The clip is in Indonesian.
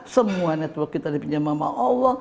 semua network kita dipinjam mama allah